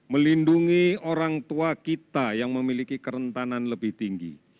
melindungi orang tua kita yang memiliki kerentanan lebih tinggi